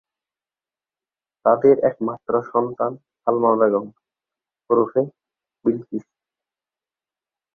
তাদের একমাত্র সন্তান সালমা বেগম ওরফে বিলকিস।